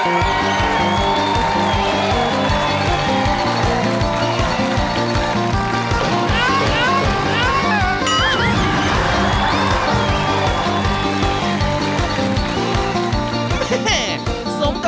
มาเยือนทินกระวีและสวัสดี